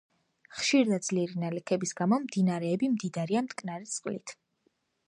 ხშირი და ძლიერი ნალექების გამო მდინარეები მდიდარია მტკნარი წყლით.